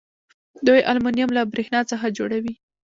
دوی المونیم له بریښنا څخه جوړوي.